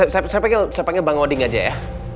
saya panggil bang oding aja ya